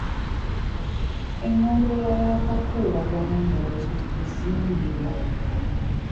Engombolola y’akakuubagano nga bwe bituzimbirwa